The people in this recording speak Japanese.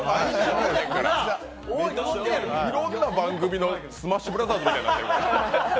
いろんな番組の「スマッシュブラザーズ」みたいになってるから。